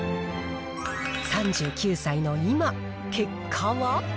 ３９歳の今、結果は？